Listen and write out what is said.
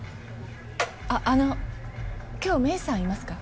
あっあの今日芽衣さんいますか？